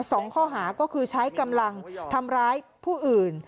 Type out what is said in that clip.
สองข้อหาก็คือใช้กำลังทำร้ายผู้อื่น